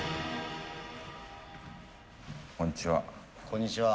こんにちは。